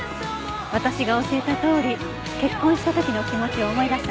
私が教えたとおり結婚した時の気持ちを思い出したの？